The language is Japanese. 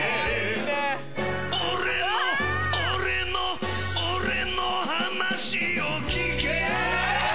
俺の俺の俺の話を聞け！